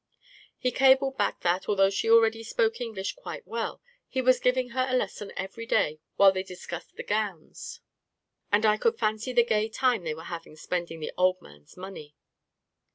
He cabled back that, though she already spoke English quite well, he was giving her a lesson every day while they discussed the gowns, and I could fancy the gay time they were having spending the old man's money